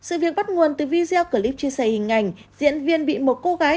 sự việc bắt nguồn từ video clip chia sẻ hình ảnh diễn viên bị một cô gái